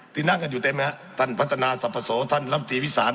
ที่นั่งกันอยู่เต็มนะฮะท่านพัฒนาศพโสท่านรัพธีพิสาร